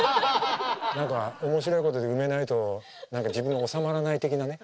何か面白いことで埋めないと何か自分が収まらない的なね。